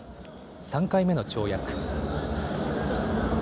３回目の跳躍。